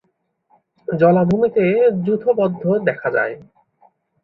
জলাভূমিতে যূথবদ্ধ দেখা যায়।